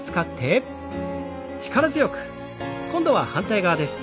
今度は反対側です。